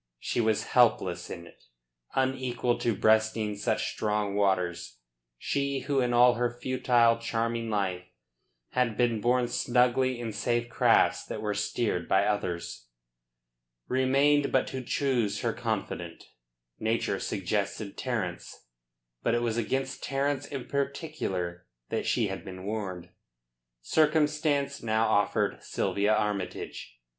She was helpless in it, unequal to breasting such strong waters, she who in all her futile, charming life had been borne snugly in safe crafts that were steered by others. Remained but to choose her confidant. Nature suggested Terence. But it was against Terence in particular that she had been warned. Circumstance now offered Sylvia Armytage.